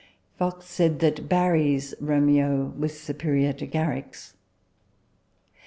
Fox said that Barry's Romeo was superior to Garrick's.